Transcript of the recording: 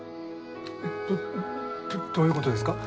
えどどういうことですか？